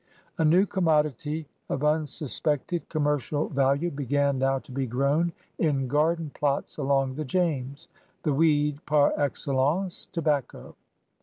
A new commodity of unsuspected conunercial value began now to be grown in garden plots along the James — the "weed" par excellence, tobacco.